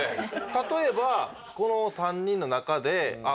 例えばこの３人の中であっ